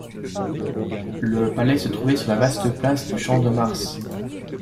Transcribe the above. Le palais se trouvait sur la vaste place du Champ de Mars.